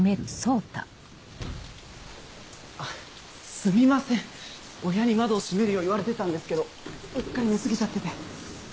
すみません親に窓を閉めるよう言われてたんですけどうっかり寝過ぎちゃってて。